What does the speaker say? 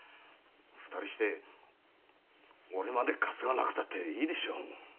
二人して俺までかつがなくてもいいでしょう。